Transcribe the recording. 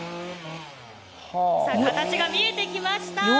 形が見えてきました。